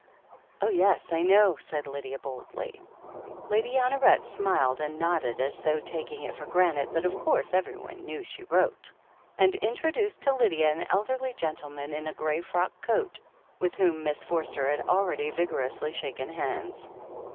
"Oh, yes, I know," said Lydia boldly. Lady Honoret smiled and nodded, as though taking it for granted that of course everyone knew she wrote, and introduced to Lydia an elderly gentleman in a grey frock coat, with whom Miss Forster had already vigor ously shaken hands.